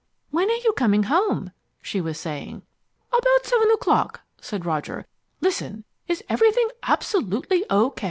"When are you coming home?" she was saying. "About seven o'clock," said Roger. "Listen, is everything absolutely O.